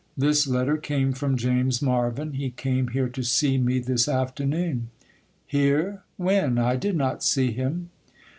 This letter came from James Marvyn; he came here to see me this afternoon.' 'Here?—when? I did not see him.